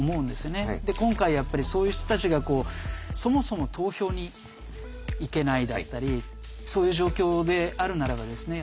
今回やっぱりそういう人たちがこうそもそも投票に行けないだったりそういう状況であるならばですね